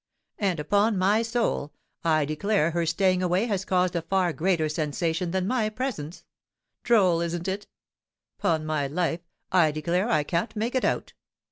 And, upon my soul, I declare her staying away has caused a far greater sensation than my presence, droll, isn't it? 'Pon my life, I declare I can't make it out.